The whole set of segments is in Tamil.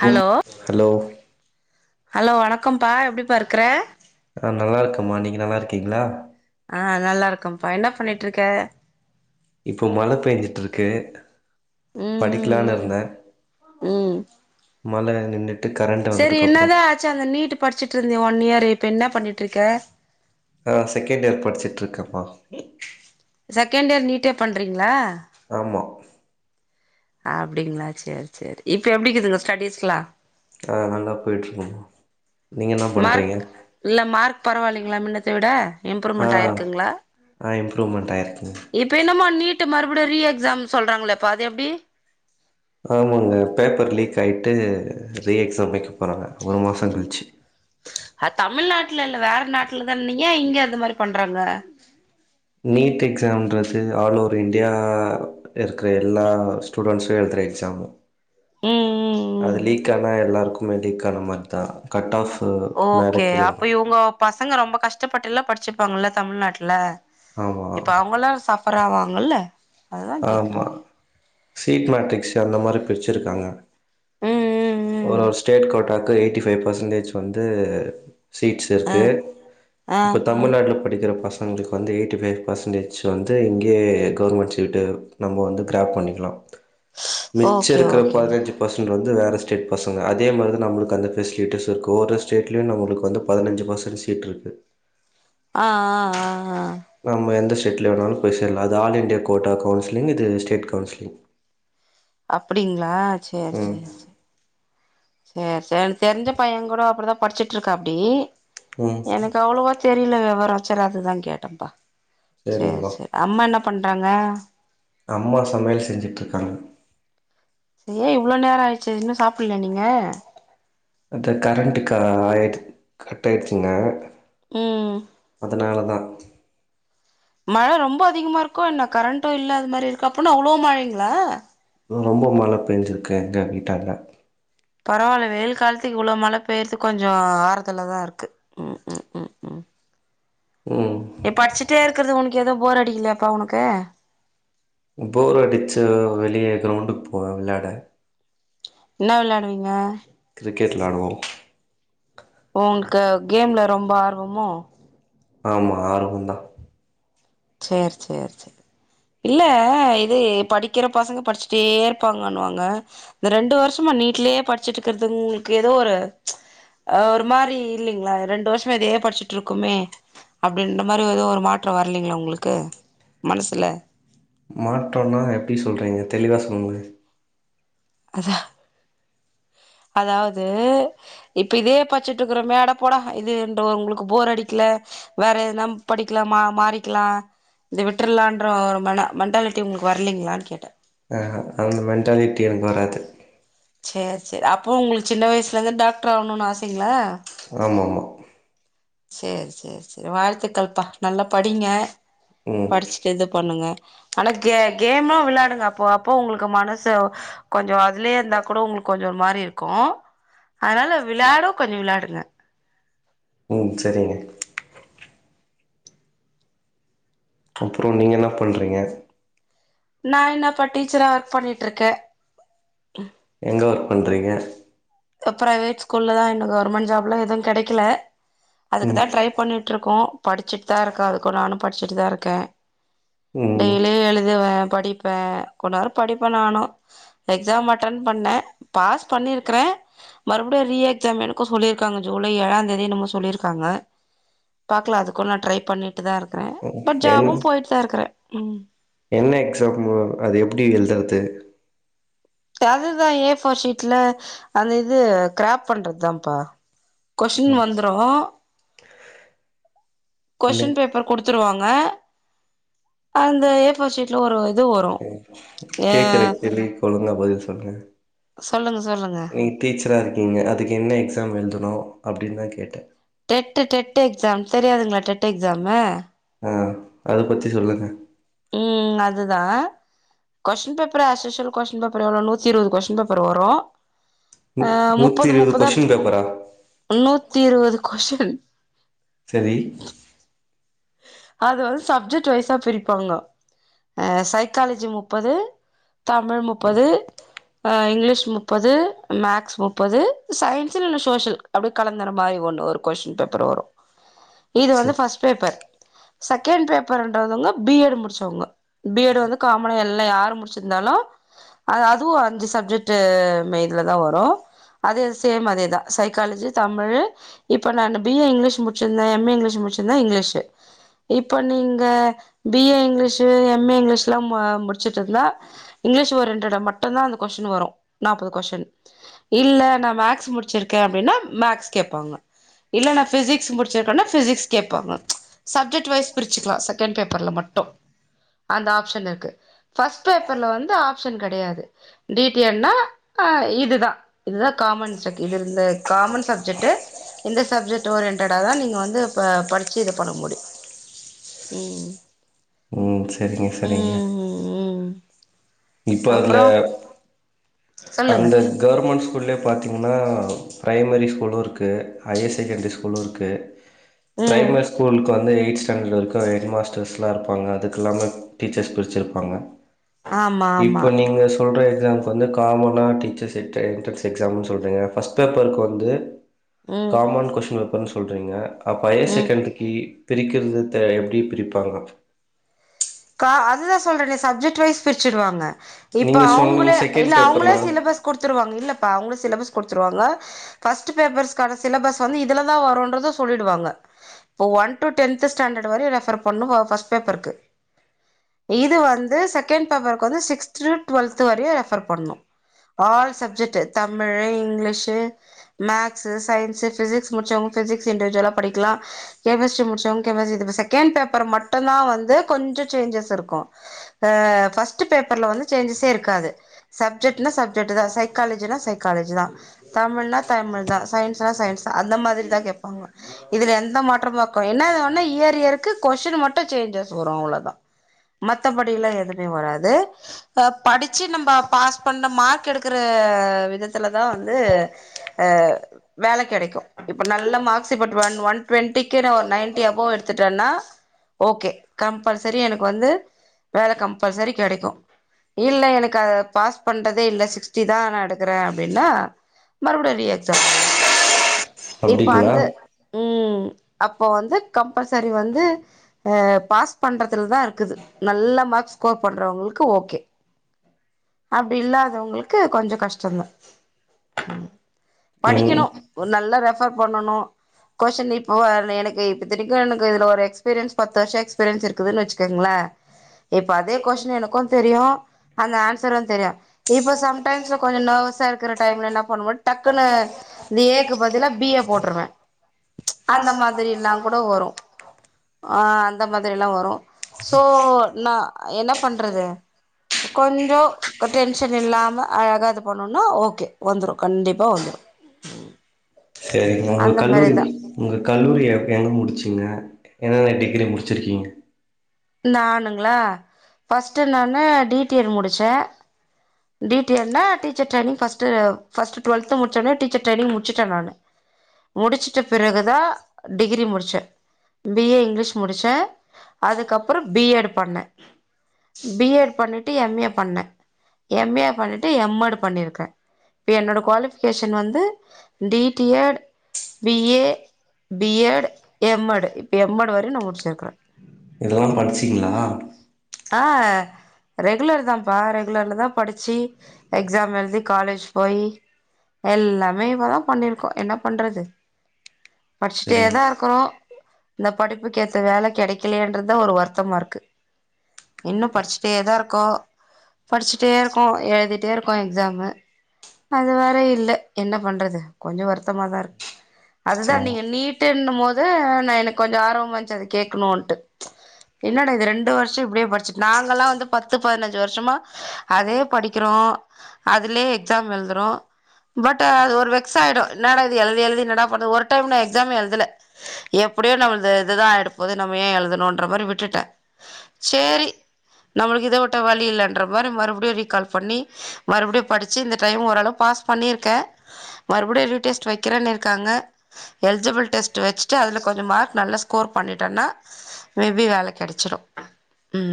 ஹலோ ஹலோ ஹலோ வணக்கம்ப்பா எப்டிப்பா இருக்கற மா நீங்க நல்லா இருக்கீங்களா ஆஹ் நல்லா இருக்கும்ப்பா என்ன பண்ணிட்டு இருக்க இப்போ மழை பெஞ்சுட்டு இருக்கு ம் படிக்கலான்னு ம் இருந்தேன் மலை நின் சரி என்னதான் ஆச்சு அந்த நீட் படிச்சுட்டு இருந்தியே ஒன் இயரு இப்ப என்ன பண்ணிட்டுருக்க நா செகண்ட் இயர் படிச்சிட்டு இருக்கேன் பா செகண்ட் இயர் நீட்டே பண்றீங்களா ஆமா அப்டிங்களா சேரி சேரி இப்ப எப்டிக்குதுங்க ஸ்டடிஸ்லா ஆ நல்லா போயிட்டு இருக்கங்க மார்க் இல்ல மார்க் பரவால்லயா ல்லா மின்னத்த விட இம்ப்ரூவ்மெண்ட் ஆயிருக்குங்களா ரொம்ப டயேர்ட் இப்ப என்னமோ நீட்டு மறுபடியும் ரிஏக்ஐம் எக்ஸாம் சொல்றாங்களேப்பா அது எப்டி ஆமாங்க பேப்பர் லீக் ஆயிட் ரீ எக்ஸாம் வைக்க போறாங்க ஒரு மாசம் கழிச்சு க்ளதான ஏன் இங்க அது மாரி பண்றாங்க நீட் எக்ஸாம்ன்றது ஆல் ஓவர் இந்தண்டியா இருக்கிற எல்லா ஸ்டூடெஸ்ம் எழுதுகிற எக்ஸாம் ம் ம் அது ம் லீக் ஆனா எல்லாருக்கும் லீக்கானமாரிதா கட் ஆஃப் மேல ஓகே கீழ ஏறு அப்ப இவங்கோ பசங்க ரொம்ப கஷ்டப் பட்ட எல்லாம் படிச்சிருப்பாங்கல்ல தமிழ்நாட்டுல ஆமா இப்ப அவங்கல்லாம் சப்பரராங்க ஆவாங்கல்ல அதுதா கேக்குறே ஆமா சீட் மேட்ரிக்ஸ் அந்த மாரி பிரிச்சிருக்காங்க ம் ம் ஒரு ம் ஒரு ஸ்டேட் கோட்டாக்கு எயிட்டி ஃபைவ் பர்சன்டேஜ் வந்து சீட்ஸ் ஆ இருக்குது ஆ இப்போ தமிழ்நாட்டில படிக்கிற பசங்களுக்கு வந்து எயிட்டி பை பர்சன்டேஜ் வந்து இங்கே கவர்மெண்ட் வத்துட்டு நம்ம வந்து கிராப் பண்ணிக்கலாம் மிச்ச ஓகே இருக்கிற ஓகே ஓகே பதிநஞ்சு பர்சன் வந்து வந்து வேறு ஸ்டேட் பசங்க அதே மாரி தான் நம்ளுக்கு அந்த ஃபெசிலிட்டிஸ் இருக்கு ஒ் ஸ்டேட்லே நம்ளுக்கு வந்து பதினஞ்சு பர்சன்ட் சீட் இருக்கு ஆ ஆ ஆ ஆ ஆமா எந்த எந்த ஸ்டேட்ல போய் சேரலாம் அது ஆல்லின்டிய கோட்டா கவுன்சிலங் இது ஸ்டேட் கவுன்சிலிங் அப்டிங்களா சேரி ம் சேரி சேரி சேரி சே தெரிஞ்ச பைய கூட அப்டிதான் படிச்சிட்டு விட்டு இருக்க அப்டி ம் எனக்கு அவ்வளவா தெரியல விவரம் பச்சராத தங்கேட்டேபா சேரி சரிங்கம்மா சேரி அம்மா என்ன பண்றாங்க அம்மா சமையல் செஞ்சுட்டுருக்காங்க ஏ இவ்ளோ நேரோ ஆயிடுச்சு இன்னு சாப்டலயா நீங்க அத கரண்ட்க ஆயடு கட் ஆயிடுச்சிங்க ம் அதனாலதா உம் மழ ரொம்ப அதிகமா இருக்கோ என்ன கரண்ட்டு இல்ல அது மாரி இருக்கு அப்போனா அவ்ளோ மழைங்களா ரொம்ப மழை பெஞ்சிருக்கு எங்க வீட்டாண்ட பரவால்ல வெயில் காலத்துக்கு இவ்ளோ மழ பெய்யறது கொஞ்சோ ஆறுதலாதா இருக்கு உம் உம் உம் உம் ம் ஏ படிச்சுட்டே இருக்குறது உனக்கு எது போர் அடிக்கலையா பா உனக்கு போர் அடிச்ச வெளியே கிரவுண்டுக்கு போவேன் வெளையாட என்னா விளையாடுவீங்க கிரிக்கெட் விளையாடுவோம் உங்களுக்கு கேம்ல ரொம்ப ஆர்வமோ ஆமா ஆர்வோம் தான் செரி செரி செரி இல்ல இது படிக்கிற பசங்க படிச்சிட்டே இருப்பாங்கன்னுவாங்க இந்த ரெண்டு வருஷமா வீட்டிலேயே படிச்சுட்டு இருக்கிறது உங்களுக்கு ஏதோ ஒரு ஒரு மாதிரி இல்லைங்களா ரெண்டு வருஷமா இதையே படிச்சுட்டு இருக்குமே அப்படின்ற மாதிரி ஏதோ ஒரு மாற்றம் வரலீங்ளா உங்குளுக்கு மனசுல மாற்றோனா எப்டி சொல்றீங்க தெளிவா சொல்லுங்க அத அதாவது இப்ப இதே பச்சிட்டுயிருக்கோமே அட போடா இதுன்றுஉங்களுக்கு போர் அடிக்ல வேற எதுனாப் படிக்லாமா மாறிக்கலாம் இத விட்டுறலாம் என்ற மென்டாலிட்டி உங்களுக்கு வரலீங்களான்னு கேட்டே ஆஹ் அந்த மென்டாலிட்டி எனக்கு வராது செரி செரி அப்போ உங்களுக்கு சின்ன வயசுல இருந்து டாக்டர் ஆகணுன்னனு ஆசைங்களா ஆமா ஆமா சேரி சேரி சேரி வாழ்த்துக்கள்ப்பா நல்லா படிங்க ம் படிச்சுட்டு இது பண்ணுங்க ஆனா கே கேமு விளையாடுங்க அப்போ அப்போ உங்களுக்கு மனசு [unintelligible] கொஞ்சம் அதலையே இருந்த கூட உங்களுக்கு கொஞ்சம் ஒரு மாரிரும் உஹம் அதனால விளையாடு கொஞ்ச விளையாடுங்க உம் செரிங்க அப்றோ நீங்க என்ன பண்றீங்க நான் என்னப்பா டீச்சரா ஒர்க் பண்ணிட்டுருக்கேன் எங்க ஒர்க் பண்றீங்க ஆ பிரைவேட் ஸ்கூல்லதா இன்னு கவர்மெண்ட் ஜாப்லா எதும் கெடைக்கல அதுக்குதா ம் ட்ரை பண்ணிட்ருக்கோ படிச்சுட்டுதா இருக்க அதுக்கு நானும் படிச்சுட்டுதா இரு [unintelligible] ம் டெய்லி எழுதுவே படிப்பேன் கொஞ்ச நேரோம் படிப்பேன் நானும் எக்ஸாம் அட்டன் பண்ணேன் பாஸ் பண்ணியிருக்றேன் மறுபடியும் ரீ எக்ஸாம் இருக்கும் சொல்லிருக்காங்க ஜூலை ஏழாந் தேதி என்னமோ சொல்லிருக்காங்க பாக்கலாம் அதுக்கும் நான ட்ரை பண்ணிட்டு தான் இருக்குறேன் பட் என் ஜாபும் போயிட்டு தான் இருக்குறேன் ம் என்ன எக்ஸாமு அது எப்டி [unintelligible] அதுதான் ஏ ஃபோர் சீட் வீட்ல அந்த இது கிராப் பண்றது தாப்பா கொஸ்டின் ம் வந்துரும் இல்ல கொஸ்டின் பேப்பர் குடுத்துருவாங்க ஆ அந்த ஏஃபோர் சீட்ல ஒரு இது வரு ஏ கேக்குறே தெரில இப்ப ஒழுங்கா பதில் சொல் சொல்லுங்க சொல்லுங்க சொல்லுங்க நீங் டீச்சரா இருக்கீங்க அதுக்கு என்ன எக்ஸாம் எழுதுனும் அப்டின் தான் கேட்டே டெட் டெட் எக்ஸாம் தெரியாதுங்களா டெட் எக்ஸாமு ஹா அத பத்தி சொல்லுங்க ம் அதுதான் question paper as usual question paper எவ்ளோ நூத்தி இருபது கொஸ்டின் பேப்பர் வரும் நூ ஹா நூத்தி முப்பது இருவது முப்பதா கொஸ்டின் பேப்பரா முன்னூத்தி இருவது கொஸின் செரி அது வந்து சப்ஜெக்ட் வைஸா பிரிப்பாங்க அ சைக்காலஜி முப்பது தமிழ் முப்பது அ இங்கிலீஷ் முப்பது மேக்ஸ் முப்பது சயின்ஸ் இ இல்ல சோசியல் அப்டியே கலந்துற மாரி ஒண்ணு ஒரு கொஸ்டின் பேப்பர் வரும் இது வந்து ச ஃபஸ்ட் பேப்பர் செகண்ட் பேப்பர்ன்றதுவங்க பிஎட் முடிச்சவங்க பி எட் வந்து காமனா இல்ல யாரும் முடிச்சிருந்தாலும் அ அதுவும் அஞ்சு சப்ஜெக்ட் டெட் மதுல தான் வரும் அதே சேம் அதேதான் சைக்காலஜி தமிழ் இப்ப நான் பி ஏ இங்கிலீஷ் முடிச்சிருந்தேன் எம் ஏ இங்கிலீஷ் முடிச்சிருந்தன் இங்கிலீஷ் இப்போ நீங்க B A English M A English எல்லா முடிச்சட்டு இருந்தா இங்கிலீஷ் ஒரு ரெண்டு இடம் மட்டும்தான் அந்த கொஸ்டின் வரும் நாப்பது கொஸ்டின் இல்ல நான் மேக்ஸ் முடிச்சிருக்கேன் அப்டின்னா மேக்ஸ் கேப்பாங்க இல்ல நான் பிசிக்ஸ் முடிச்சிருக்கேனா பிசிக்ஸ் கேப்பாங்க சப்ஜெக்ட் வைஸ் பிரிச்சிக்கலாம் செகண்ட் பேப்பர்ல மட்டும் ட்டோ அந்த ஆஃப்ஷன் இருக்கு ஃபஸ்ட் பேப்பர்ல வந்து ஆப்ஷன் கெடையாது டிடியல்ன்னா இது தான் இதுதான் காமன் செக் இது இந்த காமன் சப்ஜெக்ட் இந்த சப்ஜெக்ட் ஓரியன்ட்டாடா தான் நீங்கள வந்து இ படிச்சி இது பண்ண முடியும் ம்ம் உம் செரிங்க செரிங்க ம் இப்ப அதுல அப்றோ சொல்லுங்க அந்த கேவர்மெண்ட் ஸ்கூ ஸ்கூல்லேயே பார்த்தீங்கன்னா பிரைமரி ஸ்கூலும் இருக்கு ஹையர் செகண்ரி ஸ்கூலும் இருக்கு ம் பிரைமரி ஸ்கூலுக்கு வந்து எயித் ஸ்டாண்டர்ட்ல வரைக்கும் கேட மஸ்டர்ஸ் எல்லாம் இருப்பாங்க அதுக்கு இல்லாம டீச்சர்ஸ் பிரிச்சிருப்பாங்க ஆமா ஆமா இப்போ நீங்க சொல்ற எக்ஸாம்ஸ்கு வந்து கெ காமனா டீச்சர்ஸ்ட்டா என்டரன்ஸ் எக்ஸாம்னு சொல்றீங்க ஃபர்ஸ்ட் பேப்பருக்கு வந்து ம் காமன் கொஸ்டின் வேப்பர்னு சொல்றீங்க அப்ப ம் ஆயர்சேகண்ரிக்கு பிரிக்கிறது த எப்படி பிரிப்பாங்க டிரஸ் பிருச்சுடு வாங்க இப்ப நீங்க சொன்னீங்க அவங்களே செகண்ட் இல்ல அவங்களே பேப்பர்ல சிலபஸ் கொடுத்துருவாங்க இல்லப்பா அவங்களே சிலபஸ் குடுத்துடுவங்க பஸ்டு போப்பர்ஸ்கான சிலம்பஸ் வந்து இதுலதான் வர்றும்ன்ரது செல்லிடுவாங்க ஒன் டூ டேன்த்து ஸ்டேன்டு வரை ரெஃர்பண்ணிவா பஸ்டுபோப்பருக்கு இது வந்து செகண்ட் பேப்பருக்கு வந்து சிக்ஸ்த் டுவெல்த் வரையும் ரெபர் பண்ணும் all subject Tamil English maths science physics முடிச்சவங்க பிசிக்ஸ் இண்டடிவிஜுவலா படிக்கலாம் கெமிஸ்ட்ரி முடிச்சவங்க கெமிஸ்டரி கேன் பேப்பர் மட்டும்தான் வந்து பஸ்டு சேஞ்சஸ் இருக்கும் பஸ்ட் பேப்பர்ல வந்து சேஞ்ஞசே இருக்காது சப்ஜெட்டுன சப்ஜெட்டு தான் சை சைாக்லஜா சைக்காலஜி தான் தமிழ்னா தமிழ் தான் சயின்ஸ்ன சயின்ஸ் தான் அந்த மாதிரி தான் கேட்பாங்க இதுல எந்த மாற்றமா இரு என்ன இயர் இயருக்கு கொஸின் மட்டும் சேஞ்ச வ அவளவுதான் மத்தபடி எல்லாம் எதுவுமே வராது படிச்சு நம்ம பாஸ் பண்ண மார்க் எடுக்கற விதத்துலதான் வந்து அஹ வேலை கிடைக்கும் இப்ப நல்ல marks one twenty ninety above எடுத்துட்டேன்னா ஓகே கம்பல்சரி எனக்கு வந்து வேலை கம்பல்சரி கிடைக்கும் இல்லை எனக்கு அதை பாஸ் பண்றதே இல்லை சிக்ஸ்ட்டி தான் நான் எடுக்கிறேன் அப்படின்னா மறுபடியும் ரி எக்ஸாம் இப்ப அப்டிங்களா அந்த உம் அப்போ வந்து கம்பல்சரி வந்து பாஸ் பண்றதுலதான் இருக்குது நல்ல மார்க்ஸ் ஸ்கோர் பண்றவங்களுக்கு ஓகே அப்படி இல்லாதவங்களுக்கு கொஞ்சம் கஷ்டம்தான் ம் படிக்கணும் நல்லா ரெஃபர் பண்ணணும் கொஸ்டின் இ ஓஅதுல எனக்கு இப்போ தய்க்கும் எனக்கு இதுல ஒரு எக்ஸ்பீரியன்ஸ் பத்து வருஷம் இருக்குதுன்னு வச்சுக்கோங்களா இப்ப அதே கொஸின் எனக்கும் தெரியும் அந்த ஆன்சரும் தெரியும் இப்ப சம்டைம்ஸ்ல கொஞ்சம் நர்வஸா இருக்கிற டைம்ல என்ன பண்ணது டக்குன்னு இந்த ஏ பதில பி போட்டுருவேன் அந்த மாதிரி எல்லாம் கூட வரும் அஹ அந்த மாதிரிலாம் வரும் சோ நா என்ன பண்ணுறது கொஞ்சம் டென்ஷன் இல்லாம அழகா இது பண்ணுனா ஓகே வந்துடும் கண்டிப்பா வந்துடும் சரிங்க உங்க அந்த கல்லூரி மாரிதா உங்க கல்லூரிய எங்கே முடிச்சிங்க என்னென்ன டிகிரி முடிச்சிருக்கீங்க நன்னுங்களா பஸ்டு நனு டிடியேடு முடிச்சேன் டிடியேடுன்னா டிச்சர் டேயிர்னிங் பஸ்ட் டூவல்த்து முடிச்சேன்னே டிச்சர் டெய்னிங் முடிச்சிட்டே நானு முடிச்சிட்டு பிறகுதான் டிகிரி முடிச்சேன் பி ஏ இங்லிஷ் முடிச்சே அதுக் கப்புறோ பிஎட் பண்ண பிஎட் பண்ணிட்டு எம் ஏ பண்ண எம் ஏ பண்ண எம்மேட் பண்ணிருக்கே இப்ப என்னோட குவாலிபிகேஷன் வந்து D D.Ed B A BEd MEd இப்ப எம்ஏட் வரையும் நா முடிச்சிருக்கேன் இதெல்லா படிச்சிங்களா ஆஹ் ரெகுலர் தான்ப்பா ரெகுலர்லதா படிச்சி எக்ஸாம் எழுதி காலேஜ் போயி எல்லாமே இப்பதா பண்ணிருக்கோம் என்ன பண்றது படிச்சுட்டே சரிங்க தான் இருக்கோனும் இந்த படிப்புக்கு ஏத்த வேலை கிடைக்கலேன்றது இத ஒரு வருத்தமா இருக்கு இன்னு படிச்சிட்டேதா இருக்கோம் படிச்சிட்டே இருக்கோம் எழுதிட்டே இருக்கோம் எக்ஸாமு அது வேற இல்ல என்ன பண்றது கொஞ்ச வருத்தமா தான் இருக்கு அதுதா சரிங்க நீங்க நீட்டுன்னு போது நா எனக்கு கொஞ்ச ஆர்வமா இருச்சு அத கேட்கனுன்ட்டு என்னடா இது ரெண்டு வருஷ இப்டியே படிச்சு நாங்கல்லா வந்து பத்து பதினஞ்சு வருஷமா அதே படிக்கிறோம் அதுலே எக்ஸாம் எழுதுறோம் பட் அது ஒரு வெக்ஸ் ஆயிடு என்னடா இது எழுதி-எழுதி என்னடா பண்ணுவோ ஒரு டைம் நா எக்ஸாம் எழுதல எப்டியோ நம்மளது இதுதா ஆயிட போவுது நாம்ம யான் எழுதும் ன்ற மாரி விட்டுட செரி நம்மளுக்கு இத விட்ட வலி இல்லன்ற மாரி மறுபுடியு ரீ கால் பண்ணி மறுபடியு படிச்சி இந்த டைம் ஓரளவு பாஸ் பண்ணி இருக்கே மறுபடியு ரீ டெஸ்ட் வெக்கறன்னிருக்காங்க இல்லிஜிப்ள் டெஸ்ட் வச்சிட்டு அதுல கொஞ்சம் மார்க் நல்ல ஸ்கோர் பண்ணிட்டனா மேபி வேல கெடச்சிரும்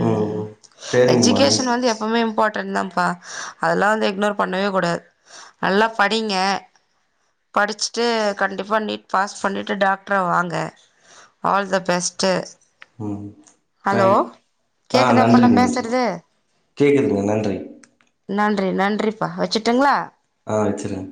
ம் ம் சரிங்கம்மா எஜிகேஷன் வந்து எப்பவுமே இம்பார்ட் டன் பா அதெல்லா வந்து இக்னோர் பண்ணவே கூடாது நல்லா படிங்க படிச்சிட்டு கண்டிப்பா நீட் பாஸ் பண்ணிட்டு டாக்டரா வாங்க ஆல் த பெஸ்ட் ஹலோ ஆஹ் கேக்குதாப்பா நா நன்றிங்க பேசுறது கேக்குதுங்க நன்றி நன்றி நன்றிப்பா வச்சுட்டுங்களா ஆஹ் வச்சுருங்க